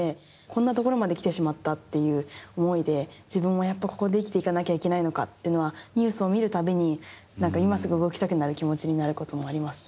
こんなところまできてしまったっていう思いで自分もやっぱここで生きていかなきゃいけないのかっていうのはニュースを見るたびに何か今すぐ動きたくなる気持ちになることもあります。